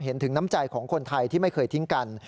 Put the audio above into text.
เห็นถึงน้ำใจของคนไทยที่ไม่เคยทิ้งกัน